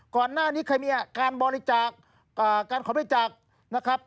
ก่อนหน้านี้เคยมีอาการบริจาคการขอบริจาคนะครับ